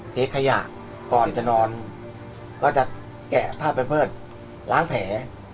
เทขยะก่อนจะนอนก็จะแกะผ้าไปเพิดล้างแผล